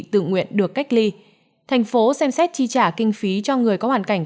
các trường hợp tự nguyện được cách ly thành phố xem xét chi trả kinh phí cho người có hoàn cảnh